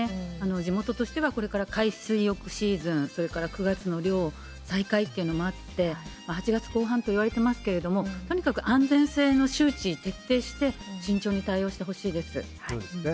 地元としては、これから海水浴シーズン、それから９月の漁再開というのもあって、８月後半といわれてますけれども、とにかく安全性の周知徹底して、そうですね。